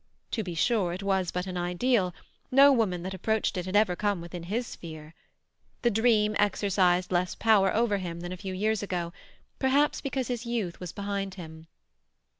To be sure, it was but an ideal; no woman that approached it had ever come within his sphere. The dream exercised less power over him than a few years ago; perhaps because his youth was behind him.